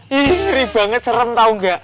nyeri banget serem tau gak